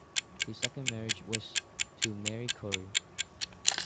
His second marriage was to Mary Corey.